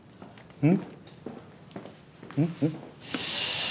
うん。